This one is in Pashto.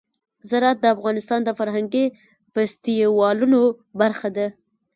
زراعت د افغانستان د فرهنګي فستیوالونو برخه ده.